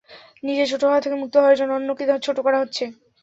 নিজে ছোট হওয়া থেকে মুক্ত হওয়ার জন্য অন্যকে ছোট করা হচ্ছে।